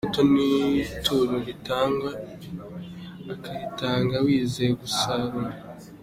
Imbuto ni ituro ritangwa, ukaritanga wizeye gusarura.